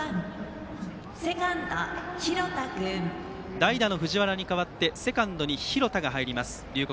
代打の藤原に代わってセカンドに廣田が入る龍谷